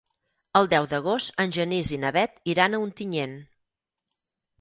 El deu d'agost en Genís i na Bet iran a Ontinyent.